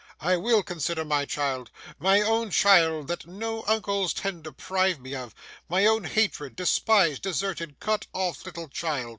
I will consider my child! My own child, that no uncles can deprive me of; my own hated, despised, deserted, cut off little child.